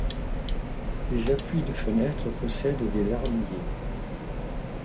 Les appuis de fenêtre possèdent des larmiers.